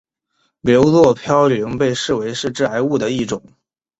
硫唑嘌呤被视为是致癌物的一种。